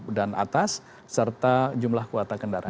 atur yang atas serta jumlah kuota kendaraan